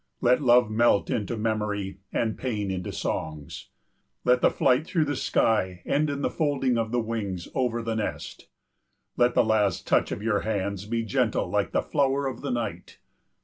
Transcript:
Let love melt into memory and pain into songs. Let the flight through the sky end in the folding of the wings over the nest. Let the last touch of your hands be gentle like the flower of the night.